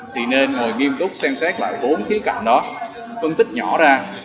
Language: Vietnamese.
thì nên ngồi nghiêm túc xem xét lại bốn khía cạnh đó phân tích nhỏ ra